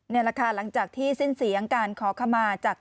นี่แหละค่ะหลังจากที่สิ้นเสียงการขอขมาจาก